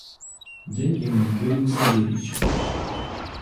Деньги мои были у Савельича.